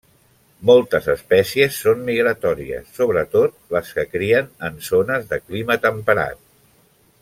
Moltes espècies són migratòries, sobretot les que crien en zones de clima temperat.